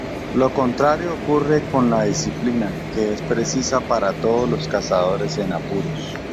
Lo contrario ocurre con la "disciplina", que es precisa para los cazadores en apuros.